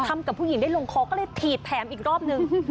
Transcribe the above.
กับผู้หญิงได้ลงคอก็เลยถีบแถมอีกรอบนึง